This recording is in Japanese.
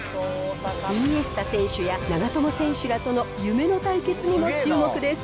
イニエスタ選手や長友選手らとの夢の対決にも注目です。